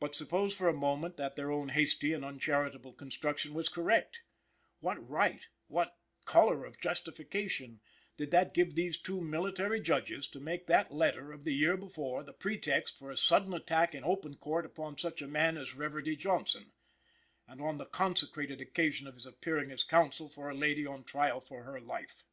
But suppose for a moment that their own hasty and uncharitable construction was correct, what right what color of justification did that give these two military Judges to make that letter of the year before the pretext for a sudden attack in open court upon such a man as Reverdy Johnson, and on the consecrated occasion of his appearing as counsel for a lady on trial for her life?